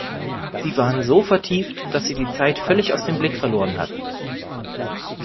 Sie waren so vertieft, dass sie die Zeit völlig aus dem Blick verloren hatten.